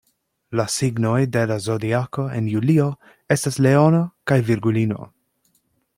La signoj de la Zodiako en julio estas Leono kaj Virgulino.